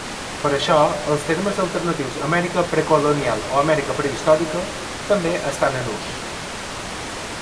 Per això, els termes alternatius Amèrica precolonial o Amèrica prehistòrica també estan en ús.